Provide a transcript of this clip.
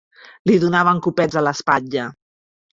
Li donaven copets a l'espatlla